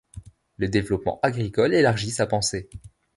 Le développement agricole élargit sa pensée.